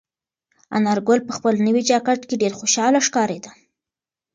انارګل په خپل نوي جاکټ کې ډېر خوشحاله ښکارېده.